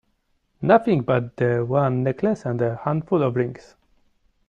Nothing but the one necklace and a handful of rings!